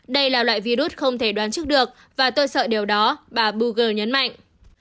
đây là loại virus không thể đoán trước được và tôi sợ điều đó bà boogle nhấn mạnh